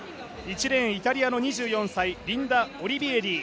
１レーン、イタリアの２４歳リンダ・オリビエリ。